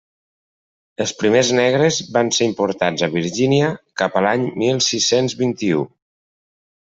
Els primers negres van ser importats a Virgínia cap a l'any mil sis-cents vint-i-u.